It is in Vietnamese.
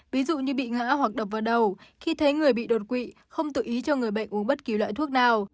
ví dụ như bị ngã hoặc đập vào đầu khi thấy người bị đột quỵ không tự ý cho người bệnh uống bất kỳ loại thuốc nào